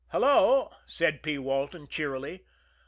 "Hello!" said P. Walton cheerily.